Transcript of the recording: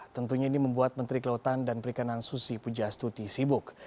tentunya ini membuat menteri kelautan dan perikanan susi pujastuti sibuk